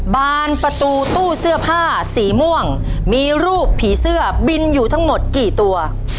บานประตูตู้เสื้อผ้าสีม่วงมีรูปผีเสื้อบินอยู่ทั้งหมดกี่ตัว